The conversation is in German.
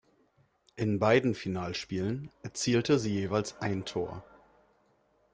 In beiden Finalspielen erzielte sie jeweils ein Tor.